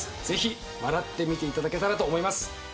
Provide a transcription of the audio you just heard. ぜひ笑って見ていただけたらと思います。